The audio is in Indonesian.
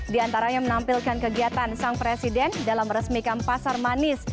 diantaranya menampilkan kegiatan sang presiden dalam resmikan pasar manis